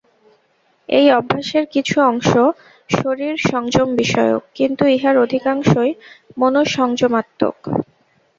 এই অভ্যাসের কিছু অংশ শরীর-সংযম-বিষয়ক, কিন্তু ইহার অধিকাংশই মনঃসংযমাত্মক।